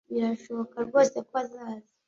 Birashoboka rwose ko azaza.